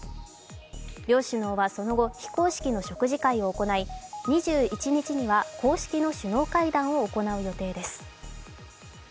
両首脳はその後、非公式の食事会を行い、２１日には、公式の首脳会談を行う予定です。